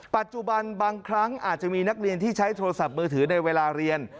ปัจจุบันบางครั้งอาจจะมีนักเรียนที่ใช้โทรศัพท์มือถือในเวลาเรียน